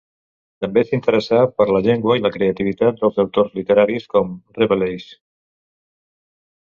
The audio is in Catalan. També s'interessà per la llengua i la creativitat dels autors literaris, com Rabelais.